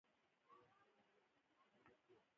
اوم او ولټ په دې برخه کې رول درلود.